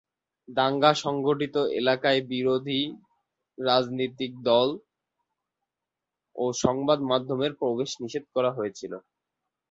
দাঙ্গা সংঘটিত এলেকায় বিরোধী রাজনৈতিক দল ও সংবাদ মাধ্যমের প্রবেশ নিষিদ্ধ করা হয়েছিল।